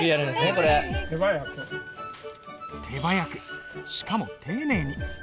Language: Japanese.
手早くしかも丁寧に。